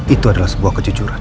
itu adalah sebuah kejujuran